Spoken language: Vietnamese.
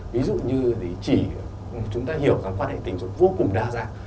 ví dụ như chỉ chúng ta hiểu các quan hệ tình dục vô cùng đa dạng